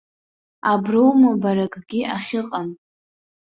Аброума бара акгьы ахьыҟам?!